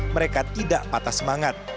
mereka tidak patah semangat